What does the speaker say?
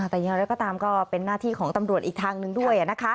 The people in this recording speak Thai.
แต่ยังไงแล้วก็ตามก็เป็นหน้าที่ของตำรวจอีกทางนึงด้วยนะคะ